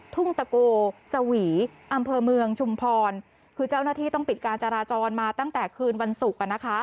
ทุ่งตะโกสวีอำเภอเมืองชุมพรคือเจ้าหน้าที่ต้องปิดการจราจรมาตั้งแต่คืนวันศุกร์